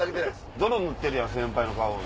泥塗ってるやん先輩の顔に。